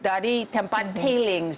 dari tempat tailings